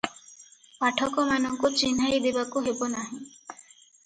ପାଠକମାନଙ୍କୁ ଚିହ୍ନାଇଦେବାକୁ ହେବ ନାହିଁ ।